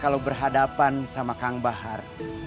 kalau berhadapan sama kang bahar